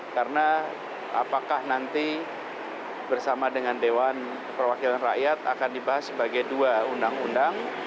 karena apakah nanti bersama dengan dewan perwakilan rakyat akan dibahas sebagai dua undang undang